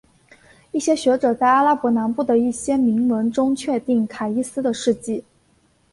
一些学者在阿拉伯南部的一些铭文中确定卡伊斯的事迹。